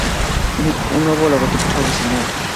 Un nuevo logotipo fue diseñado.